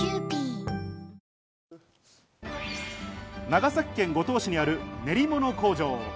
長崎県五島市にある練り物工場。